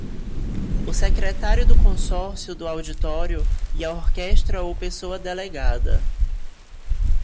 O Secretário do Consórcio do Auditório e a orquestra ou pessoa delegada.